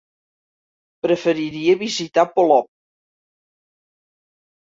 Preferiria visitar Polop.